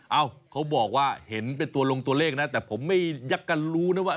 เอ้าเขาบอกว่าเห็นเป็นตัวลงตัวเลขนะแต่ผมไม่ยักกันรู้นะว่า